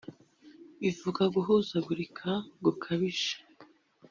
bivuga guhuzagurika gukabije